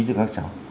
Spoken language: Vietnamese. cho các cháu